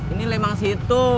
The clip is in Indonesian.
ini lembang situ